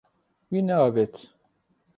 Wî neavêt.